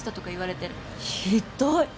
ひどい！